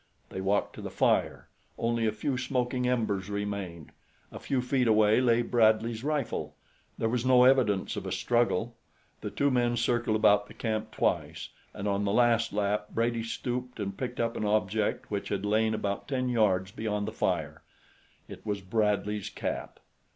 They walked to the fire. Only a few smoking embers remained. A few feet away lay Bradley's rifle. There was no evidence of a struggle. The two men circled about the camp twice and on the last lap Brady stooped and picked up an object which had lain about ten yards beyond the fire it was Bradley's cap.